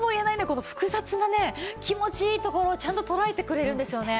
この複雑なね気持ちいいところをちゃんととらえてくれるんですよね。